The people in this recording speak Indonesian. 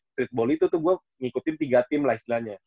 streetball itu tuh gua ngikutin tiga tim lah istilahnya